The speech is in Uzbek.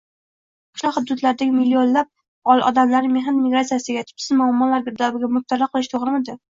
qishloq hududlaridagi millionlab odamlarni mehnat migratsiyasiga, tubsiz muammolar girdobiga mubtalo qilish to‘g‘rimidi?